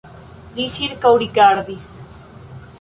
Li ĉirkaŭrigardis.